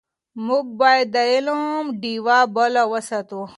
موږ باید د علم ډېوه بله وساتو.